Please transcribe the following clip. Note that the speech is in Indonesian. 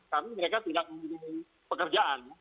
karena mereka tidak memiliki pekerjaan